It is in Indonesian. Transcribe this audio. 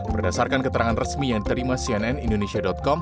berdasarkan keterangan resmi yang diterima cnnindonesia com